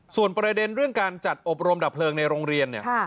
ส่วนประเด็นเรื่องการจัดอบรมดับเพลิงในโรงเรียนเนี่ย